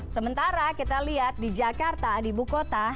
sementara kita lihat di jakarta di ibu kota